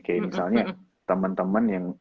kayak misalnya temen temen yang